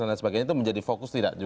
dan lain sebagainya itu menjadi fokus tidak